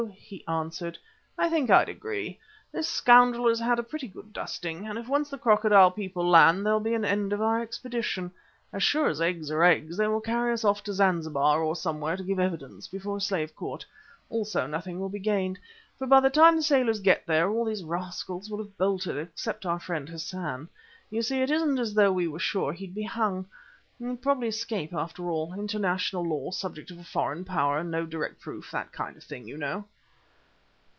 he answered, "I think I'd agree. This scoundrel has had a pretty good dusting, and if once the Crocodile people land, there'll be an end of our expedition. As sure as eggs are eggs they will carry us off to Zanzibar or somewhere to give evidence before a slave court. Also nothing will be gained, for by the time the sailors get here, all these rascals will have bolted, except our friend, Hassan. You see it isn't as though we were sure he would be hung. He'd probably escape after all. International law, subject of a foreign Power, no direct proof that kind of thing, you know."